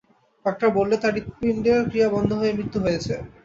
Doctor বললে, তাঁর হৃৎপিণ্ডের ক্রিয়া বন্ধ হয়ে মৃত্যু হয়েছে।